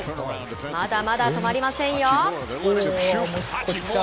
まだまだ止まりませんよ。